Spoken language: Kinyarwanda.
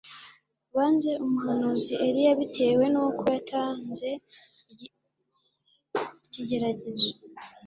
Banze umuhanuzi Eliya bitewe nuko yatanze ikigeragezo